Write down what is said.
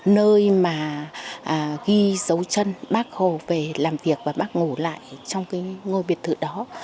nơi mà ghi dấu chân bác hồ về làm việc và bác ngủ lại trong cái ngôi biệt thự đó